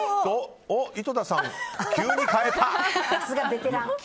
井戸田さん、急に変えた。